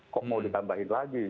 kok mau ditambahin lagi